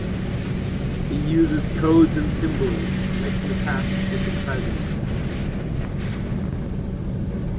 He uses codes and symbols connecting the past with the present.